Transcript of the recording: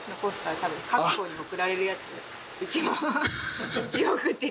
多分各校に送られるやつでうちも一応送って頂いた。